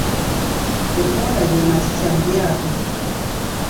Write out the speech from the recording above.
Ebbonda ge makikya mu lyato.